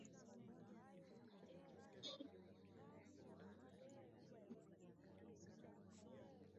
Msaidizi mwingine muhimu ambae huitwa Mshenga Waingereza huwaita kiongozi wa kiume ambae mara nyingi